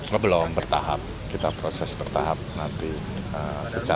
masih berada di istana